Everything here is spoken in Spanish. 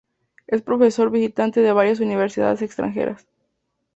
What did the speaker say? Es profesor visitante de varias universidades extranjeras.